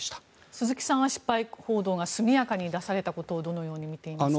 鈴木さんは失敗報道が速やかに出されたことをどのように見ていますか？